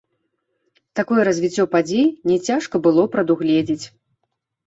Такое развіццё падзей не цяжка было прадугледзець.